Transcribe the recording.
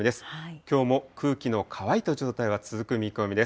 きょうも空気の乾いた状態が続く見込みです。